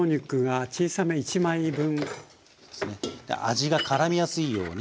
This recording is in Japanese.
味がからみやすいように。